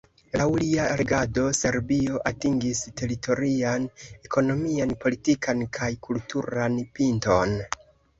Laŭ lia regado Serbio atingis teritorian, ekonomian, politikan kaj kulturan pinton.